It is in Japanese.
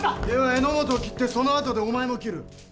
では榎本を斬ってそのあとでお前も斬る。